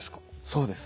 そうです。